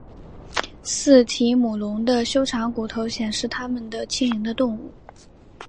似提姆龙的修长骨头显示它们的轻盈的动物。